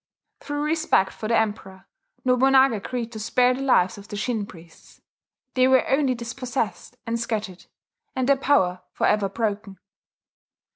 Through respect for the Emperor, Nobunaga agreed to spare the lives of the Shin priests: they were only dispossessed and scattered, and their power forever broken.